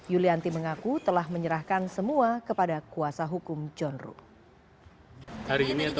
yulianti mengaku telah menyerahkan semua kepada kuasa hukum john ruh